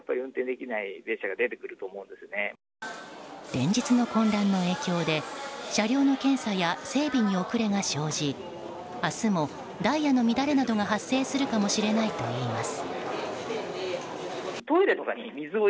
連日の混乱の影響で車両の検査や整備に遅れが生じ明日もダイヤの乱れなどが発生するかもしれないといいます。